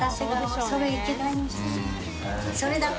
それだけ。